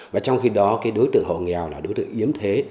và trong khi đó cái đối tượng hộ nghèo là đối tượng yếm thế